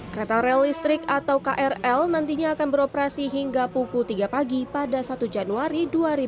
kereta rel listrik atau krl nantinya akan beroperasi hingga pukul tiga pagi pada satu januari dua ribu dua puluh